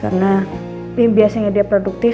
karena yang biasanya dia produktif